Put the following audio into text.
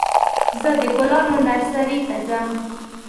زه د ګلانو نرسرۍ ته ځم.